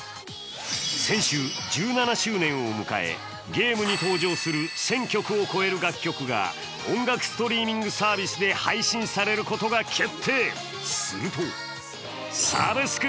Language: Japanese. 先週、１７周年を迎え、ゲームに登場する１０００曲を超える楽曲が音楽ストリーミングサービスで配信されることが決定。